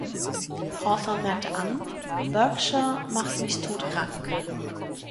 Hawthorne merkte an, Berkshire macht mich todkrank ...